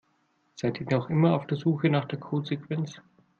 Seid ihr noch immer auf der Suche nach der Codesequenz?